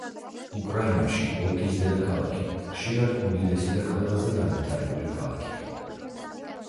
უკრაინაში ოლქის დედაქალაქი ხშირად უდიდესი და ყველაზე განვითარებული ქალაქია.